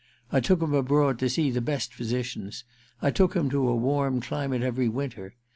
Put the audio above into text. I took him abroad to see the best physicians — I took him to a warm climate every winter.